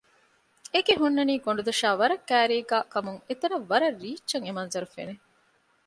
އެ ގެ ހުންނަނީ ގޮނޑުދޮށާ ވަރަށް ކައިރީގައި ކަމުން އެތަނަށް ވަރަށް ރީއްޗަށް އެ މަންޒަރު ފެނެ